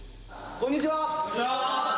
こんにちはー。